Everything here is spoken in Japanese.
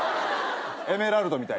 エメラルドみたい。